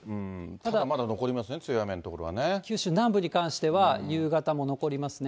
ただまだ残りますね、九州南部に関しては、夕方も残りますね。